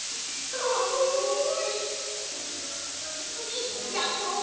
さむい。